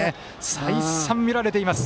再三、見られています